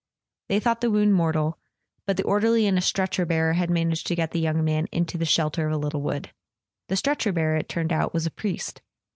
They thought the wound mortal; but the or¬ derly and a stretcher bearer had managed to get the young man into the shelter of a little wood. The stretcher bearer, it turned out, was a priest.